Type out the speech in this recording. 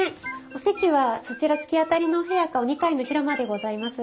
お席はそちら突き当たりのお部屋かお二階の広間でございます。